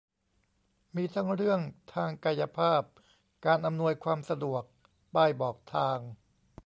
มีทั้งเรื่องทางกายภาพ การอำนวยความสะดวก ป้ายบอกทาง